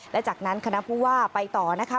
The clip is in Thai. และจากนั้นคณะผู้ว่าไปต่อนะคะ